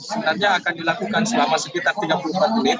sebenarnya akan dilakukan selama sekitar tiga puluh empat menit